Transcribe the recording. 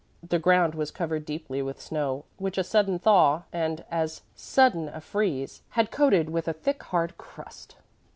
The ground was covered deeply with snow which a sudden thaw and as sudden a freeze had coated with a thick, hard crust.